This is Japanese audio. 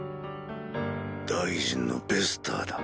大臣のベスターだ。